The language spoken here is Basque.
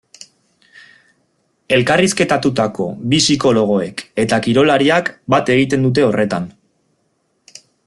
Elkarrizketatutako bi psikologoek eta kirolariak bat egiten dute horretan.